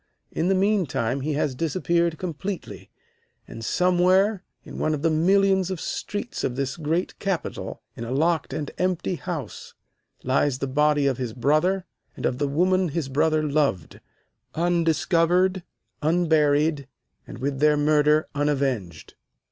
In the mean time he has disappeared completely, and somewhere, in one of the millions of streets of this great capital, in a locked and empty house, lies the body of his brother, and of the woman his brother loved, undiscovered, unburied, and with their murder unavenged."